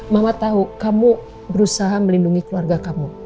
mama tahu kamu berusaha melindungi keluarga kamu